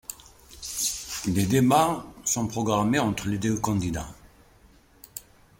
Des débats sont programmés entre les deux candidats.